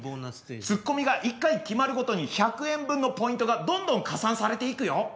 ツッコミが１回決まるごとに１００円分のポイントがどんどん加算されていくよ。